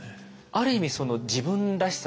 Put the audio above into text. ある意味その自分らしさ